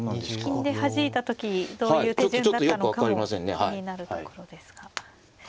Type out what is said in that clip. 金ではじいた時どういう手順だったのかも気になるところですが。